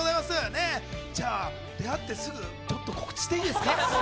ねぇ、じゃあ、出会ってすぐ、ちょっと告知していいですか？